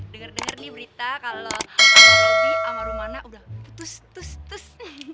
dengar dengar nih berita kalau om robi sama romana udah putus putus